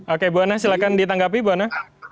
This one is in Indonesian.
oke bu ana silakan ditanggapi bu ana